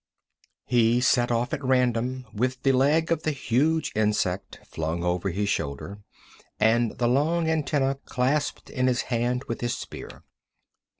He set off at random, with the leg of the huge insect flung over his shoulder and the long antennæ clasped in his hand with his spear.